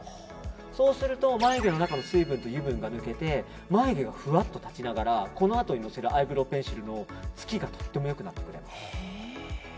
そうすると、眉毛の中の水分と油分が抜けて眉毛がふわっと立ちながらこのあとにのせるアイブローペンシルの付きがとっても良くなります。